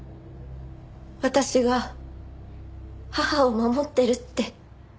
私が母を守ってるって。